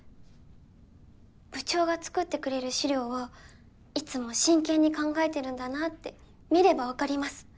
部長が作ってくれる資料はいつも真剣に考えてるんだなって見れば分かります